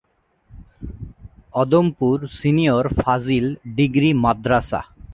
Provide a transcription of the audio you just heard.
Adampur senior Fazil degree Madrasa.